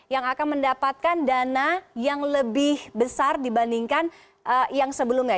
yang akan mendapatkan dana yang lebih besar dibandingkan yang sebelumnya